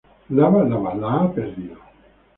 Lava Lava, la ha perdido.